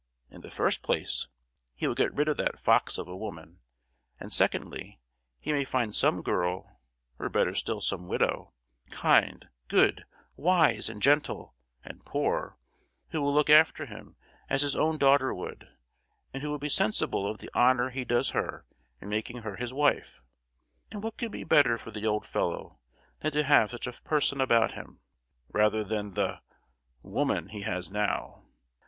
In the first place, he will get rid of that fox of a woman; and, secondly, he may find some girl, or better still some widow—kind, good, wise and gentle, and poor, who will look after him as his own daughter would, and who will be sensible of the honour he does her in making her his wife! And what could be better for the old fellow than to have such a person about him, rather than the—woman he has now?